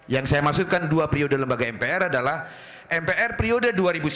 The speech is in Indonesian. yang saya maksudkan dua periode lembaga mpr adalah mpr periode dua ribu sembilan belas dua ribu